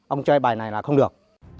ông chơi bài này là không được